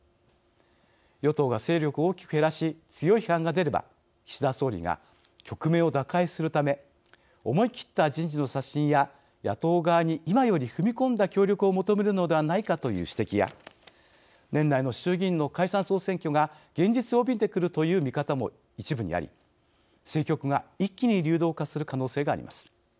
与党が勢力を大きく減らし強い批判が出れば、岸田総理が局面を打開するため思い切った人事の刷新や野党側に今より踏み込んだ協力を求めるのではないかという指摘や年内の衆議院の解散総選挙が現実味を帯びてくるという見方も一部にあり、政局が一気に流動化する可能性があります。